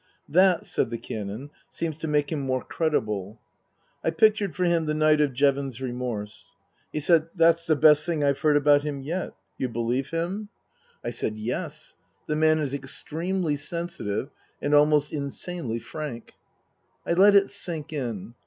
' That," said the Canon, " seems to make him more credible." I pictured for him the night of Jevons's remorse. He said, " That's the best thing I've heard about him yet. You believe him ?" 130 Tasker Jevons I said, " Yes. The man is extremely sensitive and almost insanely frank." I let it sink in.